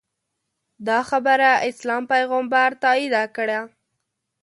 دا خبره اسلام پیغمبر تاییده کړه